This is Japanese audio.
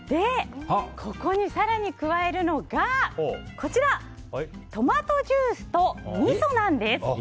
ここに更に加えるのがトマトジュースと、みそなんです。